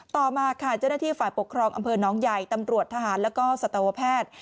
ต่อมาค่ะเจ้าหน้าที่ฝ่ายปกครองอำเภอน้องใหญ่ตำรวจทหารแล้วก็สัตวแพทย์